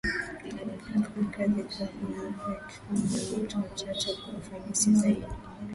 pia kama kazi kazi inaweza ikafanywa na watu wachache kwa ufanisi zaidi